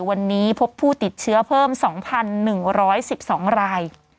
วันนี้พบผู้ติดเชื้อเพิ่ม๒๑๑๒ราย